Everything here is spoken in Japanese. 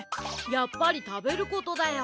やっぱりたべることだよ。